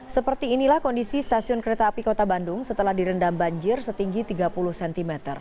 seperti inilah kondisi stasiun kereta api kota bandung setelah direndam banjir setinggi tiga puluh cm